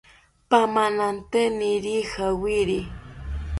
Pamananteniri jawiri